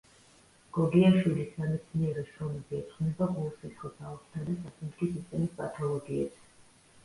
გოგიაშვილის სამეცნიერო შრომები ეძღვნება გულ-სისხლძარღვთა და სასუნთქი სისტემის პათოლოგიებს.